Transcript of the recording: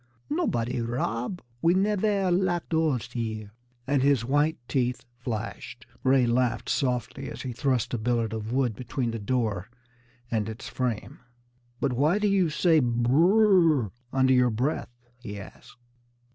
"Nobody rob. We nevaire lock doors here," and his white teeth flashed. Ray laughed softly as he thrust a billet of wood between the door and its frame. "But why do you say 'br r r!' under your breath?" he asked.